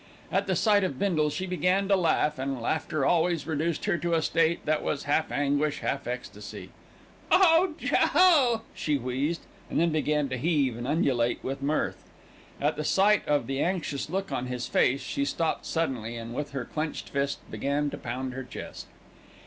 At the sight of Bindle, she began to laugh, and laughter always reduced her to a state that was half anguish, half ecstasy. "Oh, Joe!" she wheezed, and then began to heave and undulate with mirth. At the sight of the anxious look on his face she stopped suddenly, and with her clenched fist began to pound her chest.